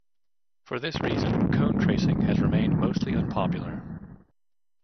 For this reason, cone tracing has remained mostly unpopular.